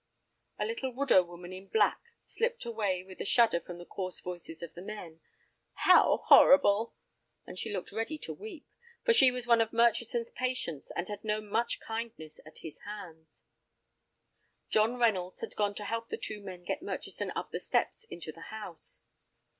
A little widow woman in black slipped away with a shudder from the coarse voices of the men. "How horrible!" And she looked ready to weep, for she was one of Murchison's patients and had known much kindness at his hands. John Reynolds had gone to help the two men get Murchison up the steps into the house.